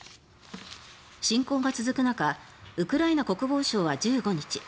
侵攻が続く中ウクライナ国防省は１５日